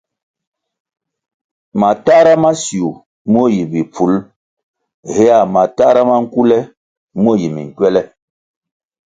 Matahra ma siu mo yi bipful hea matahra ma nkule mo yi minkwele.